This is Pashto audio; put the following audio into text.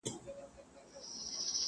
ككرۍ چي يې وهلې د بتانو!!